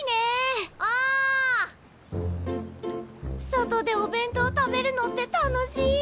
外でお弁当食べるのって楽しい！